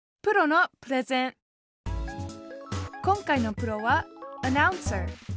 今回のプロはアナウンサー。